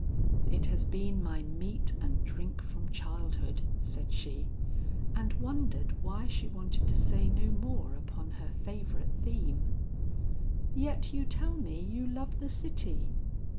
"It has been my meat and drink from childhood," said she, and wondered why she wanted to say no more upon her favorite theme. "Yet you tell me you love the city?"